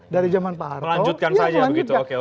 dari zaman pak harto